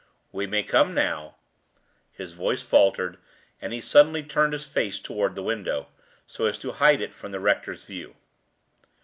We may come now " His voice faltered, and he suddenly turned his face toward the window, so as to hide it from the rector's view.